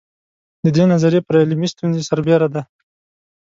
د دې نظریې پر علمي ستونزې سربېره ده.